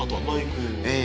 atau apa itu